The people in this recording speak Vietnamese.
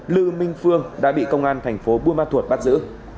lư minh phương đã bị công an tp bunma thuộc bắt giữ